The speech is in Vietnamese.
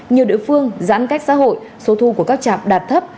nhiều địa phương giãn cách xã hội số thu của các trạm đạt thấp